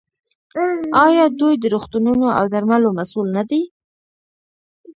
آیا دوی د روغتونونو او درملو مسوول نه دي؟